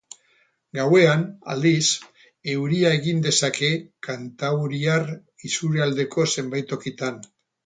Gauean, aldiz, euria egin dezake kantauriar isurialdeko zenbait tokitan.